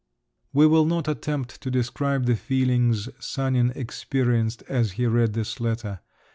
We will not attempt to describe the feelings Sanin experienced as he read this letter.